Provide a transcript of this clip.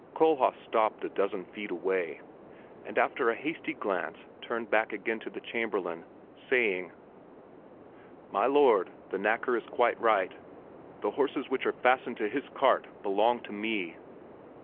Kohlhaas stopped a dozen feet away, and after a hasty glance turned back again to the Chamberlain, saying, "My lord, the knacker is quite right; the horses which are fastened to his cart belong to me!"